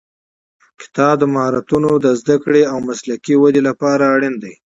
کتاب د مهارتونو د زده کړې او مسلکي ودې لپاره اړین دی.